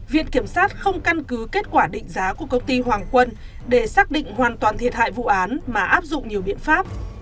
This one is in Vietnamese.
viện kiểm sát không căn cứ kết quả định giá của công ty hoàng quân để xác định hoàn toàn thiệt hại vụ án mà áp dụng nhiều biện pháp